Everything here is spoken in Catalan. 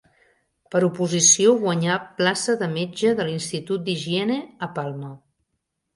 Per oposició guanyà plaça de metge de l’Institut d’Higiene a Palma.